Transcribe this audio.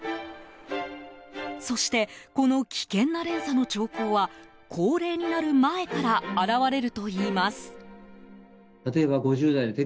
そして、この危険な連鎖の兆候は高齢になる前から現れるといいます。